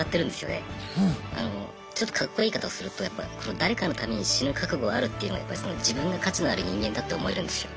ちょっとカッコいい言い方をすると誰かのために死ぬ覚悟あるっていうのは自分が価値のある人間だって思えるんですよ。